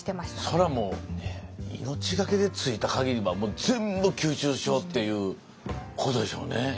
それはもう命がけで着いた限りはもう全部吸収しようっていうことでしょうね。